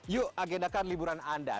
yuk agendakan liburan anda